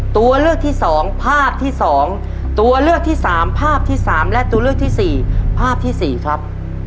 ตัวเลือกที่สองภาพที่สองตัวเลือกที่สามภาพที่สามและตัวเลือกที่สี่ภาพที่สี่ครับ